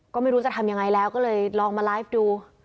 ก็ไม่รู้จะทำยังไงแล้วก็เลยลองมาไลฟ์ดู